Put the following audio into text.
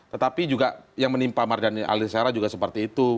tetapi juga yang menimpa mardhani alisera juga seperti itu